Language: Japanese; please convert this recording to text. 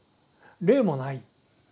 霊もない。